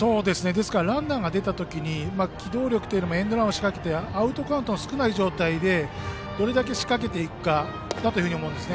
ですからランナーが出た時に、機動力というのもエンドランを仕掛けてアウトカウントの少ない状態でどれだけ仕掛けていくかだと思います。